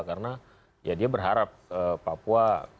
karena ya dia berharap papua